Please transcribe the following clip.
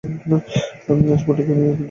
আমি আজ গোটা দুয়েক খেয়েছি।